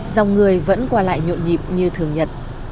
dòng người vẫn qua lại nhộn nhịp như thường nhật